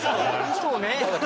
そうね。